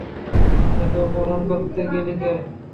তাকে অপহরণ করতে গেলি কেন?